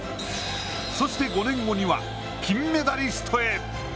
そして、５年後には金メダリストへ。